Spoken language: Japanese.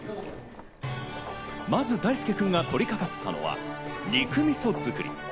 まず大介君が取り掛かったのは肉みそ作り。